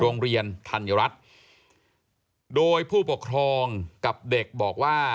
โรงเรียนธัญรัฐโดยผู้ปกครองกับเด็กบอกว่า